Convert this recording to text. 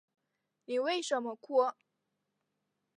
妳为什么要哭